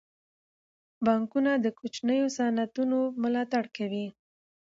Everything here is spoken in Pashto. بانکونه د کوچنیو صنعتونو ملاتړ کوي.